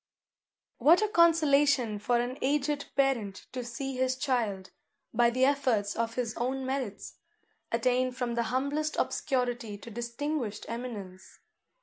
What a consolation for an aged parent to see his child, by the efforts of his own merits, attain from the humblest obscurity to distinguished eminence!